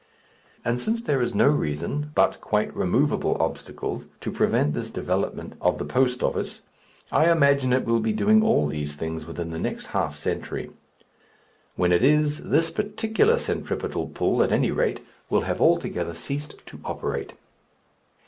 And since there is no reason, but quite removable obstacles, to prevent this development of the post office, I imagine it will be doing all these things within the next half century. When it is, this particular centripetal pull, at any rate, will have altogether ceased to operate.